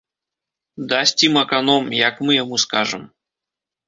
Дасць ім аканом, як мы яму скажам.